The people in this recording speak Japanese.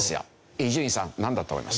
伊集院さんなんだと思います？